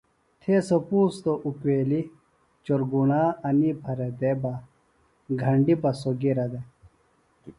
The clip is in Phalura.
تھے سوۡ پُوستوۡ اُکیلیۡ چورگُݨا انی پھرےۡ دےۡ بہ گھنڈیۡ بہ سوۡ گِرہ دےۡ